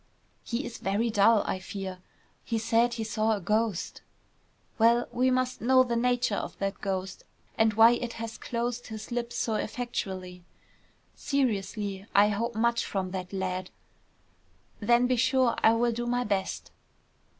"He is very dull, I fear. He said he saw a ghost." "Well, we must know the nature of that ghost, and why it has closed his lips so effectually. Seriously I hope much from that lad." "Then be sure I will do my best."